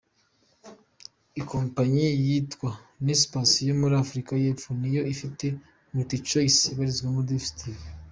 Ikompanyi yitwa Naspers yo muri Afurika y’Epfo niyo ifite MultiChoice ibarizwamo Dstv.